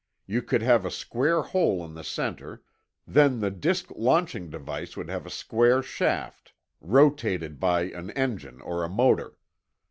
You could have a square hole in the center; then the disk launching device would have a square shaft, rotated by an engine or a motor.